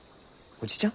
おじちゃん？